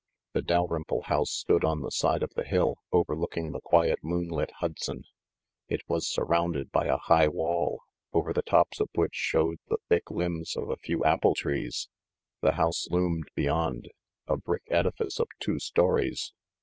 The Dalrymple house stood on the side of the hill, overlooking the quiet moonlit Hudson. It was sur rounded by a high wall, over the tops of which showed the thick limbs of a few apple trees. The house loomed beyond, a brick edifice of two stories.